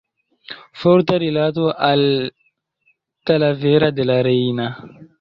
Forta rilato al Talavera de la Reina.